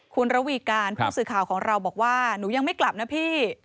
คุณระวีการผู้สื่อข่าวของเราบอกว่าหนูยังไม่กลับนะพี่